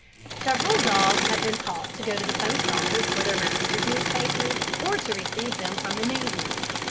Several dogs have been taught to go to the post office for their masters' newspapers, or to receive them from the newsman.